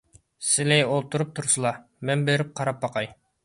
سىلى ئولتۇرۇپ تۇرسىلا، مەن بېرىپ قاراپ باقاي.